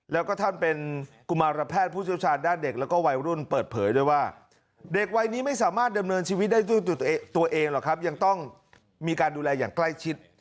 ตัวเองหรอครับยังต้องมีการดูแลอย่างใกล้ชิด